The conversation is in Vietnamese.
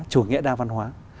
chủ nghĩa đa văn hóa